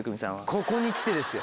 ここに来てですよ。